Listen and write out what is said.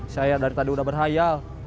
saya dari tadi udah berhayal